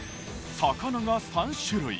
魚が３種類